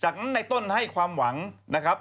จากนั้นในต้นให้ความหวังนะครับ